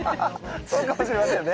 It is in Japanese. そうかもしれませんよね。